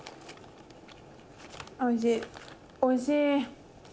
おいしいおいしい！